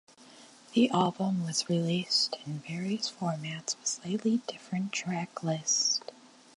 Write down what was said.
The album was released in various formats with slightly different track lists.